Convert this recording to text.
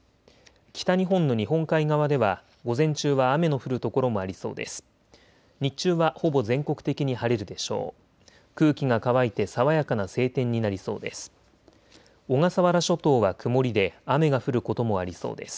北日本の日本海側では午前中は雨の降る所もありそうです。